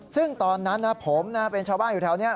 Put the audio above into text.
ซึ่งตอนนั้นผมเป็นชาวบ้านอยู่แถวนี้